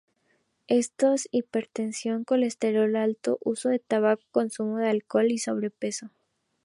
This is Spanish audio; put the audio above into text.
Estos son hipertensión, colesterol alto, uso de tabaco, consumo de alcohol y sobrepeso.